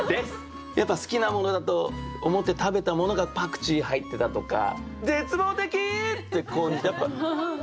やっぱ好きなものだと思って食べたものがパクチー入ってたとか絶望的！ってこうやっぱはっ！